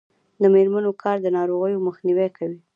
د میرمنو کار د ناروغیو مخنیوی کوي.